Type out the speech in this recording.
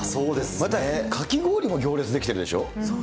またかき氷も行列出来てるでしょう。